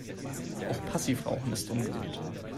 Auch Passivrauchen ist ungesund.